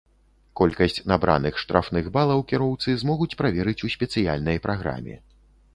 Колькасць набраных штрафных балаў кіроўцы змогуць праверыць у спецыяльнай праграме.